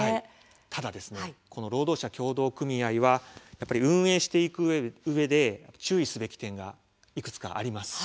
ただこの労働者協同組合は運営していくうえで注意すべき点がいくつかあります。